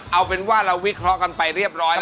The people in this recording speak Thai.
เอาเป็นว่าเราวิเคราะห์กันไปเรียบร้อยแล้ว